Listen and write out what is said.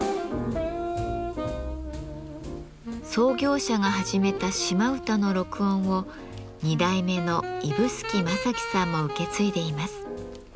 創業者が始めた島唄の録音を２代目の指宿正樹さんも受け継いでいます。